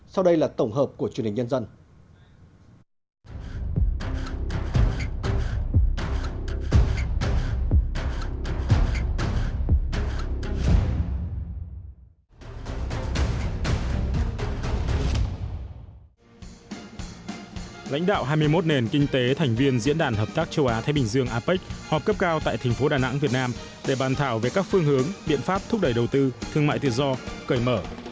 các đồng nghiệp của dư đã được gửi về thông tấn xã việt nam để bàn thảo về các phương hướng biện pháp thúc đẩy đầu tư thương mại tự do cởi mở